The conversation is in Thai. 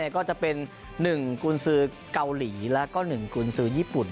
ก็จะเป็น๑กุญสือเกาหลีแล้วก็๑กุญสือญี่ปุ่น